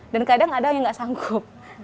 dan kadang ada yang gak sanggup